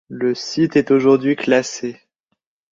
Le site est aujourd'hui classé.